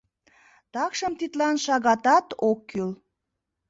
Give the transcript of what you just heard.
Такшым тидлан шагатат ок кӱл.